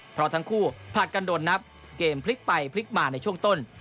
เพราะทั้งคู่ผลัดกันโดนนับเกมพลิกไปพลิกมาในช่วงต้น